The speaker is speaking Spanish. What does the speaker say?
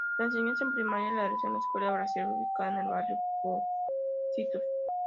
La enseñanza primaria la realizó en la Escuela Brasil ubicada en el barrio Pocitos.